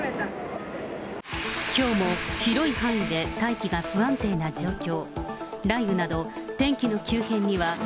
きょうも広い範囲で大気が不安定な状況。